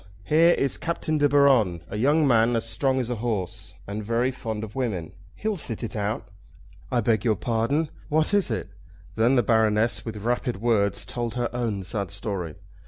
Here is Captain De Baron, a young man as strong as a horse, and very fond of women. He'll sit it out." "I beg your pardon; what is it?" Then the Baroness, with rapid words, told her own sad story.